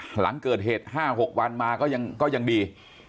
หลังเกิดเหตุ๕๖วันมาก็ยังดี